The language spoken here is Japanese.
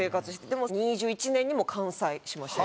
でも２０２１年にもう完済しました。